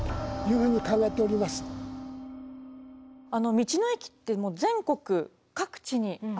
道の駅って全国各地にあるじゃないですか。